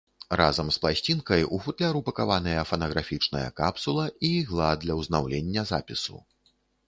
Разам з пласцінкай у футляр упакаваныя фанаграфічная капсула і ігла для ўзнаўлення запісу.